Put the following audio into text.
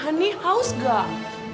hai ni haus gak